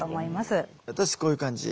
私こういう感じ。